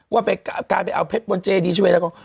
ว่าการไปเอาเพชรบนเจดีชาเวดากอง